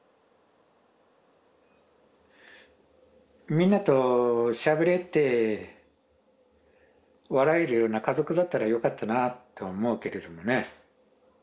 みんなとしゃべれて笑えるような家族だったらよかったなと思うけれどもね。